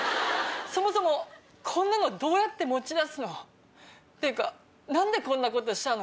そもそもこんなのどうやって持ち出すの？っていうか何でこんなことしたの？